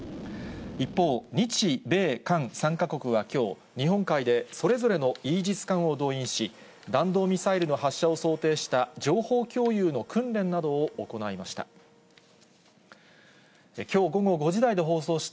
一方、日米韓３か国はきょう、日本海でそれぞれのイージス艦を動員し、弾道ミサイルの発射を想定した情報共有の訓練などを行いました。